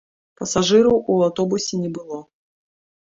Пасажыраў у аўтобусе не было.